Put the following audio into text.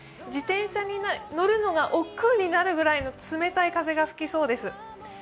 自転車に乗るのがおっくうになるくらいの冷たい風が吹きそうです。